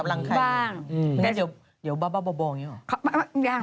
อย่างนั้นจะเบาบ่ออยู่เหรอ